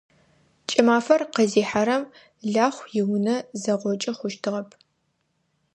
КӀымафэр къызихьэрэм Лахъу иунэ зэгъокӀы хъущтыгъэп.